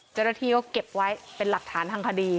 เจ้าหน้าที่ก็เก็บไว้เป็นหลักฐานทางคดี